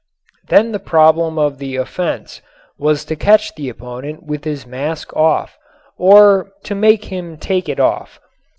Then the problem of the offense was to catch the opponent with his mask off or to make him take it off.